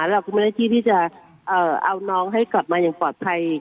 เราก็ไม่ได้ที่ที่จะเอาน้องให้กลับมาอย่างปลอดภัย